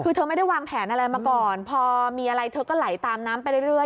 คือเธอไม่ได้วางแผนอะไรมาก่อนพอมีอะไรเธอก็ไหลตามน้ำไปเรื่อย